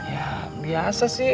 ya biasa sih